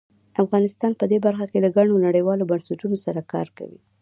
افغانستان په دې برخه کې له ګڼو نړیوالو بنسټونو سره کار کوي.